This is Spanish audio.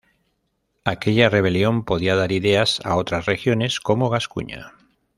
Aquella rebelión podía dar ideas a otras regiones, como Gascuña.